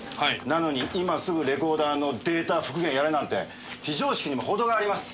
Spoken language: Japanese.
なのに今すぐレコーダーのデータ復元やれなんて非常識にも程があります。